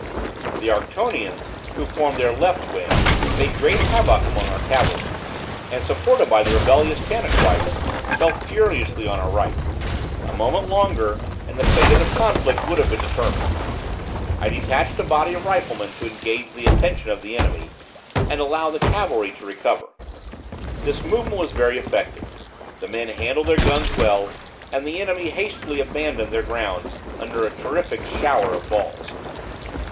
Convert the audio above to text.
The Arctonians, who formed their left wing, made great havoc among our cavalry; and, supported by the rebellious Tanaquites, fell furiously on our right; a moment longer and the fate of the conflict would have been determined. I detached a body of riflemen to engage the attention of the enemy, and allow the cavalry to recover; this movement was very effective; the men handled their guns well, and the enemy hastily abandoned their ground, under a terrific shower of balls.